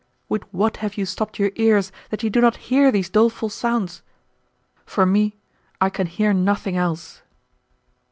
With what have you stopped your ears that you do not hear these doleful sounds? For me, I can hear nothing else."